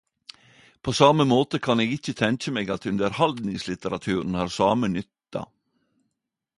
På same måte kan eg ikkje tenke meg at underhaldningslitteraturen har same nytta.